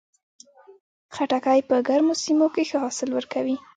خټکی په ګرمو سیمو کې ښه حاصل ورکوي.